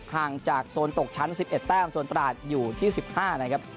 ห่างจากโซนตกชั้น๑๑แต้มโซนตราดอยู่ที่๑๕นะครับ